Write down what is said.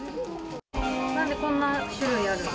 なぜこんな種類あるの？